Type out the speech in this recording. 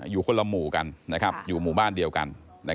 อยู่คนละหมู่กันอยู่หมู่บ้านเดียวกัน